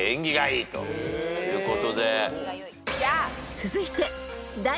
［続いて］